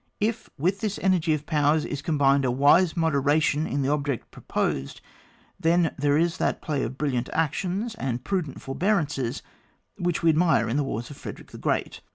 If with this energy of powers is com bined a wise moderation in the object proposed, then there is that play of brilliant actions and prudent forbear ance which we admire in the wars of Frederick the Qreat.